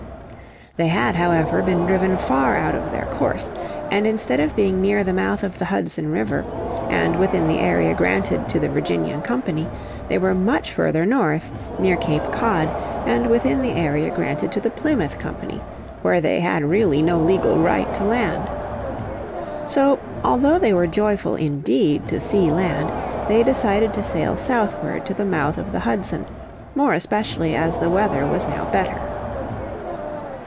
They had however been driven far out of their course, and instead of being near the mouth of the Hudson River, and within the area granted to the Virginian Company, they were much further north, near Cape Cod, and within the area granted to the Plymouth Company, where they had really no legal right to land. So although they were joyful indeed to see land, they decided to sail southward to the mouth of the Hudson, more especially as the weather was now better.